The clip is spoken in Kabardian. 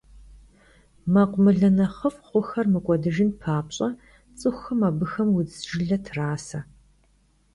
Mekhumıle nexhıf' xhuxer mık'uedıjjın papş'e, ts'ıxuxem abıxem vudz jjıle trase.